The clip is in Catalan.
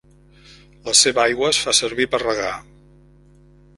La seva aigua es fa servir per regar.